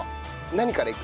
何からいく？